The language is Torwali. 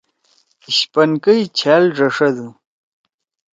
اِشپنکئی چھأل ڙَݜدُو۔